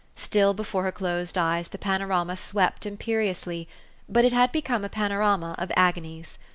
Still before her closed eyes the panorama swept imperiously ; but it had become a panorama of agonies.